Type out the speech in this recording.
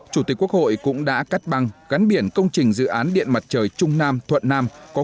chủ tịch quốc hội cũng đã cắt băng gắn biển công trình dự án điện mặt trời trung nam thuận nam